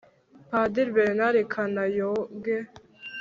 padiri bernard kanayoge